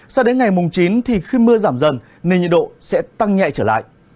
sau đến ngày chín khi mưa giảm dần nền nhiệt độ sẽ tăng nhẹ trở lại